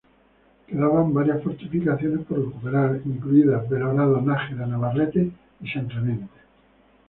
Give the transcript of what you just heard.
Quedaban varias fortificaciones por recuperar, incluidas Belorado, Nájera, Navarrete y San Clemente.